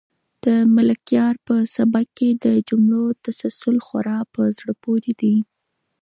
د ملکیار په سبک کې د جملو تسلسل خورا په زړه پورې دی.